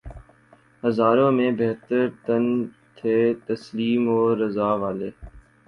ہزاروں میں بہتر تن تھے تسلیم و رضا والے